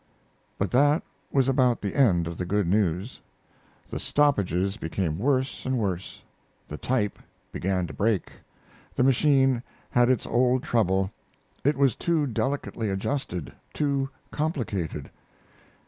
But that was about the end of the good news. The stoppages became worse and worse. The type began to break the machine had its old trouble: it was too delicately adjusted too complicated.